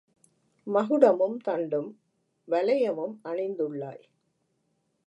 மகுடமும், தண்டும், வலயமும் அணிந்துள்ளாய்.